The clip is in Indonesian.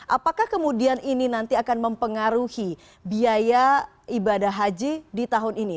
apakah kemudian ini nanti akan mempengaruhi biaya ibadah haji di tahun ini